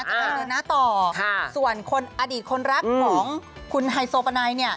จะไปเดินหน้าต่อส่วนคนอดีตคนรักของคุณไฮโซปาไนเนี่ย